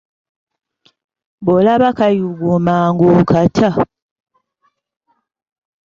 Bw’olaba kayuguuma ng'okata.